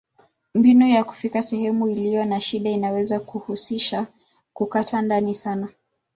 Mbinu ya kufikia sehemu iliyo na shida inaweza kuhusisha kukata ndani sana.